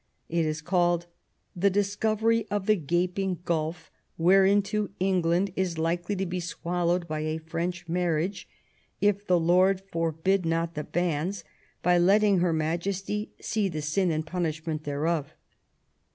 It was called " The Discovery of the Gaping Gulf, where THE ALENgON MARRIAGE, 171 into England is likely to be swallowed by a French marriage, if the Lord forbid not the banns, by letting Her Majesty see the sin and punishment thereof".